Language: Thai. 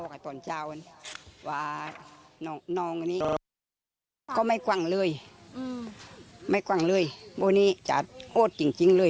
เขาไม่กว้างเลยอืมไม่กว้างเลยพวกนี้จากโฆษจริงเลย